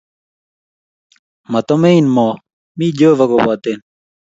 Matumein mo mi chehova koboten